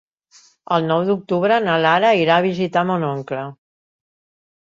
El nou d'octubre na Lara irà a visitar mon oncle.